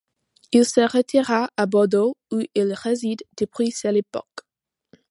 Il se retira à Bordeaux, où il réside depuis celle époque.